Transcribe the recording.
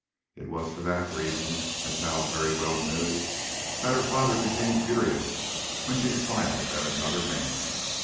It was for that reason, as Hal very well knew, that her father became furious when she smiled at another man.